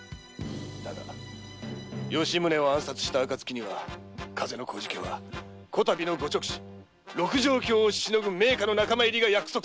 だがな吉宗を暗殺した暁には風小路家はこたびのご勅使六条卿をしのぐ名家の仲間入りが約束されておるのじゃ。